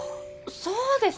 そうですね！